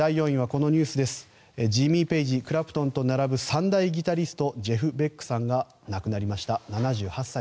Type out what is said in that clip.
ジミー・ペイジエリック・クラプトンと並ぶ三大ギタリストジェフ・ベックさんが亡くなりました。